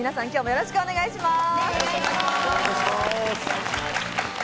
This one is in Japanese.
よろしくお願いします。